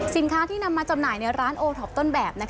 ที่นำมาจำหน่ายในร้านโอท็อปต้นแบบ